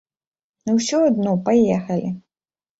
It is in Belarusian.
Ну ўсё адно паехалі.